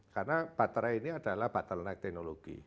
karena baterai ini adalah bottleneck teknologi